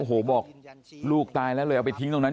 โอ้โหบอกลูกตายแล้วเลยเอาไปทิ้งตรงนั้น